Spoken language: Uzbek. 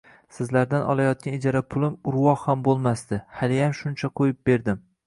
Sizlardan olayotgan ijara pulim urvoq ham bo`lmasdi, haliyam shuncha qo`yib berdim